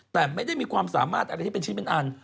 แต่ไม่ได้มีความสามารถอะไรที่เป็นชิ้นเป็นอัน